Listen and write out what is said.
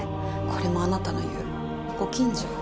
これもあなたの言うご近所？